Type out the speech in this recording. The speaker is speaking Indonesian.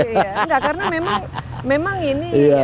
enggak karena memang ini